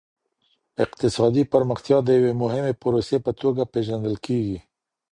اقتصادي پرمختيا د يوې مهمې پروسې په توګه پېژندل کېږي.